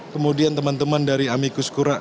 kemudian teman teman dari amikus kura